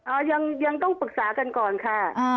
ยังยังต้องปรึกษากันก่อนค่ะ